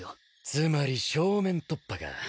つまり正面突破か。